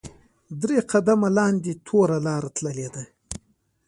درې قدمه لاندې توره لاره تللې ده.